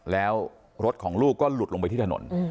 แล้วรถของลูกก็หลุดลงไปที่ถนน